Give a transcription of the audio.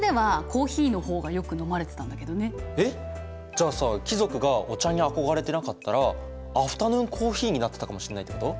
えっじゃあさ貴族がお茶に憧れてなかったらアフタヌーンコーヒーになってたかもしれないってこと？